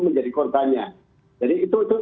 menjadi kodanya jadi itu itu